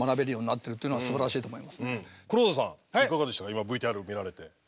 今ＶＴＲ見られて。